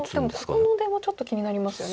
ここの出もちょっと気になりますよね。